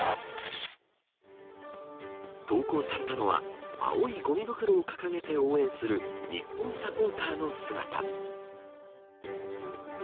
投稿されたのは青いごみ袋を掲げて応援する日本サポーターの姿。